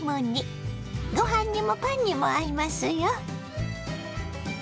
ご飯にもパンにも合いますよ。